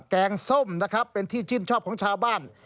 แกงส้มนะครับเป็นที่ชื่นชอบของชาวบ้าน